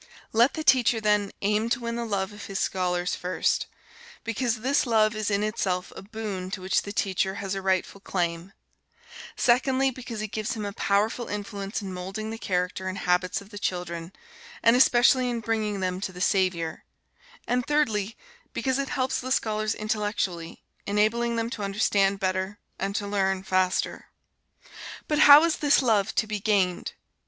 Let the teacher, then, aim to win the love of his scholars, first, because this love is in itself a boon to which the teacher has a rightful claim; secondly, because it gives him a powerful influence in moulding the character and habits of the children, and especially in bringing them to the Saviour; and, thirdly, because it helps the scholars intellectually, enabling them to understand better and to learn faster. But how is this love to be gained?